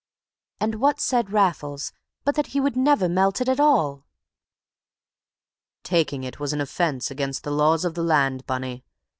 And what said Raffles but that he would never melt it at all! "Taking it was an offence against the laws of the land, Bunny.